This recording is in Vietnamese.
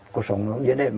cột sổng nó không dễ đẹp